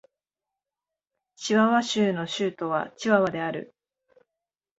チワワ州の州都はチワワである